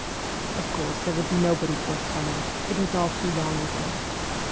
" Of course there would be nobody forthcoming it Was all too long ago.